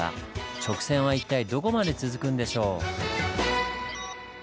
直線は一体どこまで続くんでしょう？